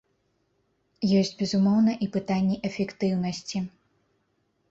Ёсць, безумоўна, і пытанні эфектыўнасці.